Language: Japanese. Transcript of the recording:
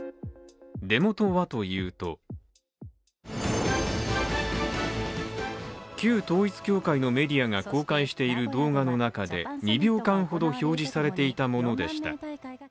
出元はというと旧統一教会のメディアが公開している動画の中で２秒間ほど表示されていたものでした。